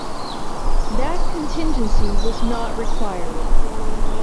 That contingency was not required.